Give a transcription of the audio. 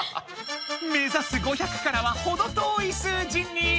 目指す５００からはほど遠い数字に！